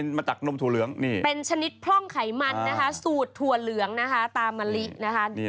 นะครับเอามาซิมกันดูว่ารสชาติแรงงาน